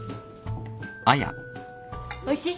おいしい？